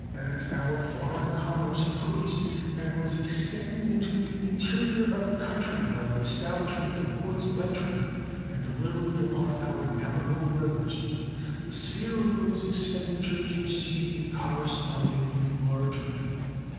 As our foreign commerce increased and was extended into the interior of the country by the establishment of ports of entry and delivery upon our navigable rivers the sphere of those expenditures received a corresponding enlargement.